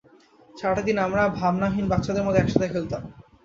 সারাটা দিন আমরা ভাবনাহীন বাচ্চাদের মতো একসাথে খেলতাম।